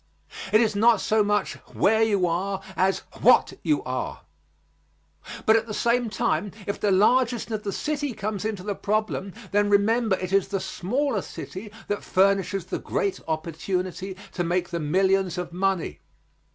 It is not so much where you are as what you are. But at the same time if the largeness of the city comes into the problem, then remember it is the smaller city that furnishes the great opportunity to make the millions of money.